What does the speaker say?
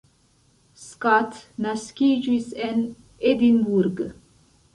Scott naskiĝis en Edinburgh.